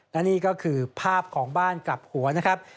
และนี่ก็คือภาพของบ้านกลับหัวนะครับ